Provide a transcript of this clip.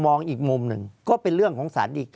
ภารกิจสรรค์ภารกิจสรรค์